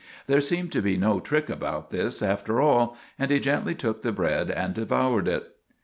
There seemed to be no trick about this, after all, and he gentlv took the bread and devoured it.